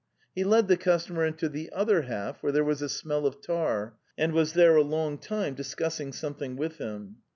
He led the customer into the other half, where there was a smell of tar, and was there a long time discussing something with him.